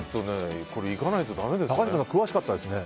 これ、行かないとだめですね。